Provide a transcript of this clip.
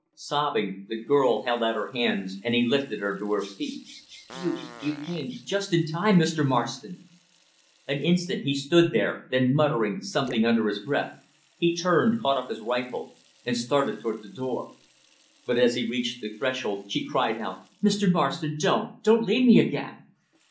Sobbing, the girl held out her hands, and he lifted her to her feet. "You you came just in time, Mr. Marston." An instant he stood there, then muttering something under his breath, he turned, caught up his rifle, and started toward the door. But, as he reached the threshold, she cried out, "Mr. Marston, don't, don't leave me again."